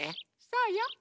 そうよ。